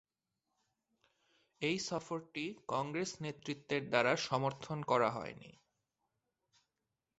এই সফরটি কংগ্রেস নেতৃত্বের দ্বারা সমর্থন করা হয়নি।